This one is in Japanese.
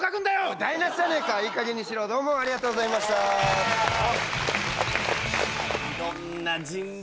台なしじゃねえかいいかげんにしろどうもありがとうございましたさあ